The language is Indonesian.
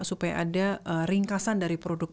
supaya ada ringkasan dari produk